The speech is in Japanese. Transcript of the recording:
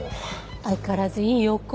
相変わらずいいお声。